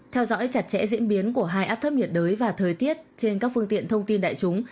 theo dõi chặt chẽ diễn biến của hai áp thấp nhiệt đới và thời tiết trên các phương tiện thông tin đại chúng